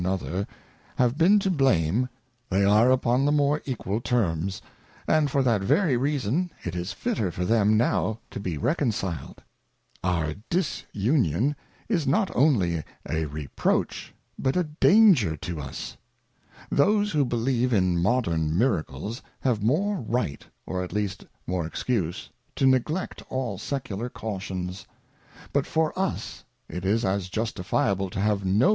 141 another, have been to blame, they are upon the more equal terms, and for that~very reason" it is fitter for them now to be reconciledr Our Dis union is not only a Reproach, but _a Dan^ert'o'us ; those who believe in modern Miracles, have more Right, or at least more Excuse, to neglect all Secular Cautions; but for us, it is as jus tifiable to have 55_5.